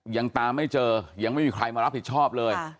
ยังตามไม่เจอยังไม่มีใครมารับผิดชอบเลย